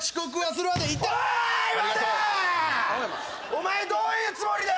お前どういうつもりだ？